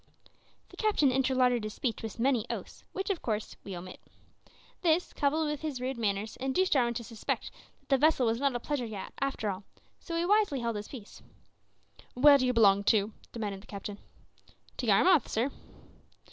The captain interlarded his speech with many oaths, which, of course, we omit. This, coupled with his rude manners, induced Jarwin to suspect that the vessel was not a pleasure yacht after all, so he wisely held his peace. "Where do you belong to?" demanded the captain. "To Yarmouth, sir."